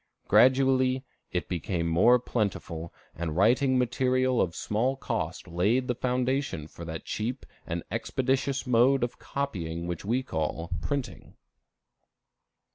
Gradually, it became more plentiful, and writing material of small cost laid the foundation for that cheap and expeditious mode of copying which we call printing.